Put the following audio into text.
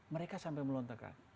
mereka sampai melontarkan